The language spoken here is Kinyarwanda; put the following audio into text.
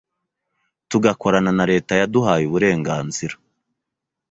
tugakorana na leta yaduhaye uburenganzira